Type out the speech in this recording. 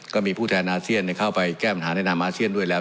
ก็มีผู้แทนอาเซียนเข้าไปแก้ปัญหาในนามอาเซียนด้วยแล้ว